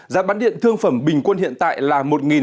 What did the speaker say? giá bán điện thương phẩm bình quân hiện tại là một sáu trăm linh